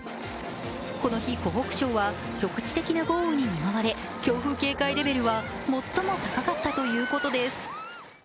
この日、湖北省は局地的な豪雨に見舞われ強風警戒レベルは最も高かったということです。